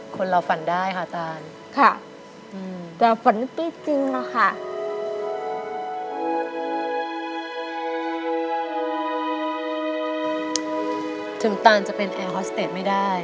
คือช้าคืบ